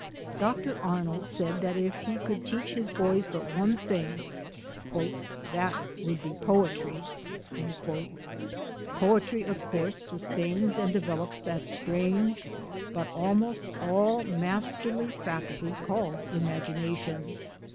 Doctor Arnold said that if he could teach his boys but one thing, "that thing would be poetry." Poetry, of course, sustains and develops that strange but almost all masterly faculty called imagination.